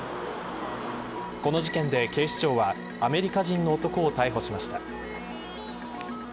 この事件で警視庁はアメリカ人の男を逮捕しました。